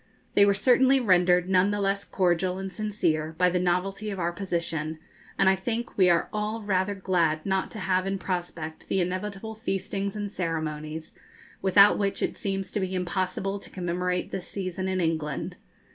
They were certainly rendered none the less cordial and sincere by the novelty of our position, and I think we are all rather glad not to have in prospect the inevitable feastings and ceremonies, without which it seems to be impossible to commemorate this season in England.